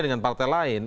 dengan partai lain